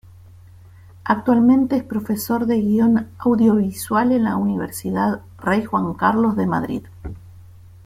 Actualmente es profesor de Guión Audiovisual en la Universidad Rey Juan Carlos de Madrid.